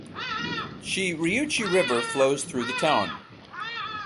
Shiriuchi River flows through the town.